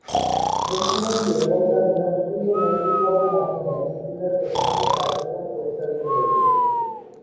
মুখ্যমন্ত্রী এবং তার নিয়োগকৃত মন্ত্রিসভার মাধ্যমে সিকিমের প্রশাসনিক কার্যক্রম পরিচালিত হয়ে থাকে।